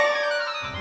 tenang aja bos jun